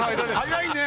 早いね！